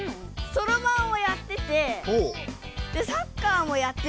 そろばんをやっててサッカーもやってるから。